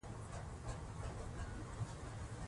اصلاح پرته نظام زړېږي